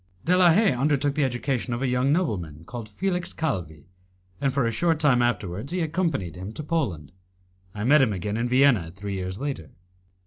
De la Haye undertook the education of a young nobleman called Felix Calvi, and a short time afterwards he accompanied him to Poland. I met him again in Vienna three years later.